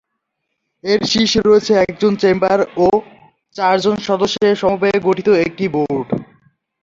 এর শীর্ষে রয়েছে একজন চেয়ারম্যান ও চার জন সদস্যের সমবায়ে গঠিত একটি বোর্ড।